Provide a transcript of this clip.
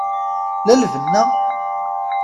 La lbenna?